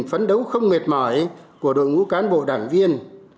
phấn đấu không mệt mỏi của đội ngũ cán bộ đảng viên